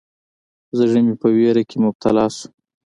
زړه مې په ویره کې مبتلا شو.